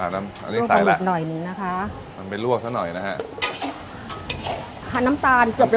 อ่าน้ำอันนี้ซ้ายแหละมันเป็นรวบซะหน่อยนะฮะค่ะน้ำตาลเกือบโลก